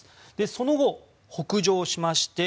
その後、北上しまして